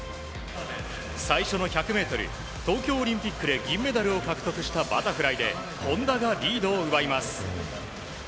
最初の１００ｍ東京オリンピックで銀メダルを獲得したバタフライで本多がリードを奪います。